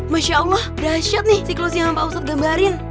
masya allah dahsyat nih siklus yang pak ustadz gambarin